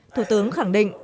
thủ tướng khẳng định